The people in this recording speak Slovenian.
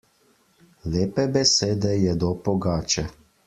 Lepe besede jedo pogače.